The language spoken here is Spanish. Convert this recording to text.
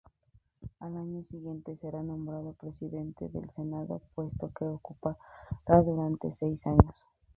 Al año siguiente será nombrado presidente del Senado puesto que ocupará durante seis años.